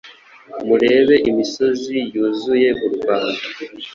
Murebe imisozi yuzuye u Rwanda,